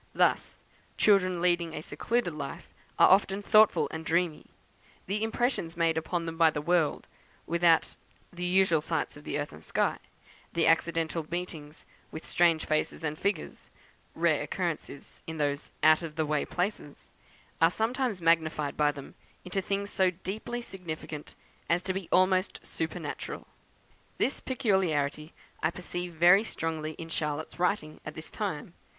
Thus, children leading a secluded life are often thoughtful and dreamy: the impressions made upon them by the world without the unusual sights of earth and sky the accidental meetings with strange faces and figures (rare occurrences in those out of the way places) are sometimes magnified by them into things so deeply significant as to be almost supernatural. This peculiarity I perceive very strongly in Charlotte's writings at this time.